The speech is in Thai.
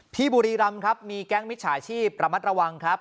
บุรีรำครับมีแก๊งมิจฉาชีพระมัดระวังครับ